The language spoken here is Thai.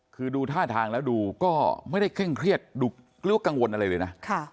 คือดูท่าทางแล้วดูก็ไม่ได้เคร่งเครียดดูกังวลอะไรเลยนะ